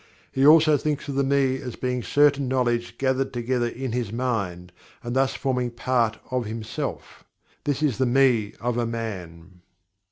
He also thinks of the "Me" as being certain knowledge gathered together in his mind, and thus forming a part of himself. This is the "Me" of a man.